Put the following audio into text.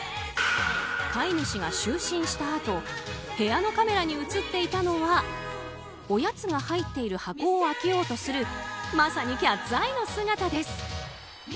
飼い主が就寝したあと部屋のカメラに映っていたのはおやつが入っている箱を開けようとするまさにキャッツアイの姿です。